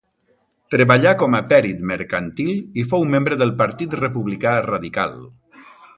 Treballà com a pèrit mercantil i fou membre del Partit Republicà Radical.